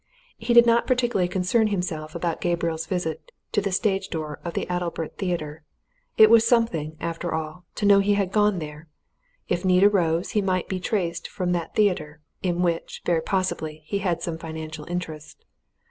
He did not particularly concern himself about Gabriel's visit to the stage door of the Adalbert Theatre; it was something, after all, to know he had gone there: if need arose, he might be traced from that theatre, in which, very possibly, he had some financial interest.